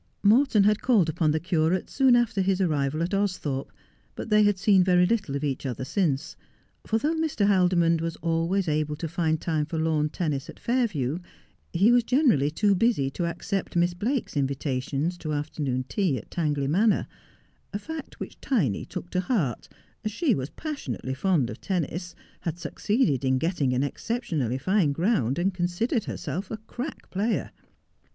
Morton had called upon the curate soon after his arrival at Austhorpe, but they had seen very little of each other since ; for though Mr. Haldimond was always able to find time for lawn tennis at Fairview he was generally too busy to accept Miss Blake's invitations to afternoon tea at Tangley Manor, a fact which Tiny took to heart, as she was passionately fond of tennis, had 282 Just as I Am. succeeded in getting an exceptionally fine ground, and considered herself a crack player.